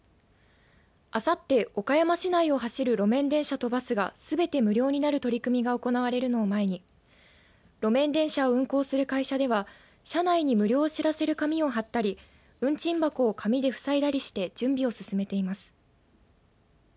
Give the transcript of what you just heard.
あさって、岡山市内を走る路面電車とバスがすべて無料になる取り組みが行われるのを前に路面電車を運行する会社では車内に無料を知らせる紙を貼ったり運賃箱を紙で塞いだりして準備を進めています。